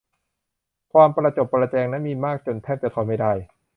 ความประจบประแจงนั้นมีมากจนแทบจะทนไม่ได้